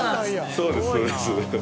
そうです